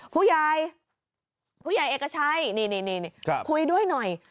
ผู้ใหญ่ผู้ใหญ่เอกชัยนี่คุยด้วยหน่อย